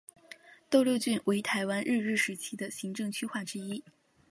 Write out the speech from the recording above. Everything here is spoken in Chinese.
斗六郡为台湾日治时期的行政区划之一。